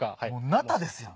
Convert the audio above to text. ナタですやん。